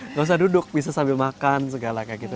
nggak usah duduk bisa sambil makan segala kayak gitu